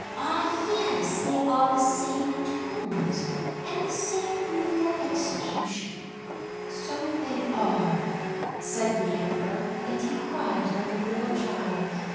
Ah, yes, they are the same tunes, and the same beautiful execution." " So they are," said the Emperor, and he cried like a little child.